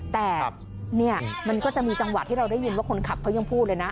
แต่เนี่ยมันก็จะมีจังหวะที่เราได้ยินว่าคนขับเขายังพูดเลยนะ